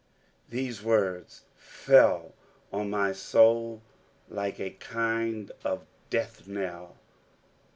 These words fell on my soul like a kind of death knell.